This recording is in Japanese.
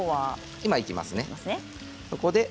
今いきますね。